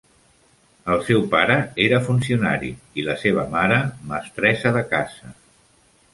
El seu pare era funcionari i la seva mare, mestressa de casa.